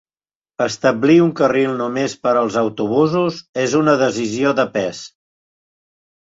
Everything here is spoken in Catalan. Establir un carril només per als autobusos és una decisió de pes.